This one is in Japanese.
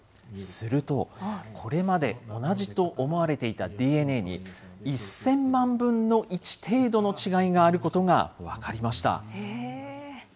すると、これまで同じと思われていたＤＮＡに１０００万分の１程度の違いがあることが分かりました。